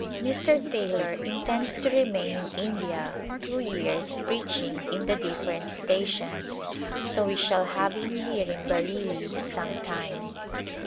Mr. Taylor intends to remain in India two years preaching in the different stations, so we shall have him here in Bareilly some time.